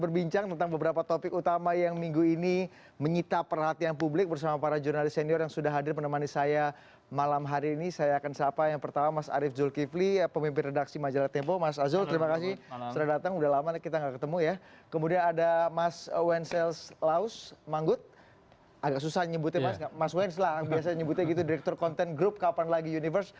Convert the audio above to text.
biasanya nyebutnya mas wenz lah biasa nyebutnya gitu direktur konten grup kapan lagi universe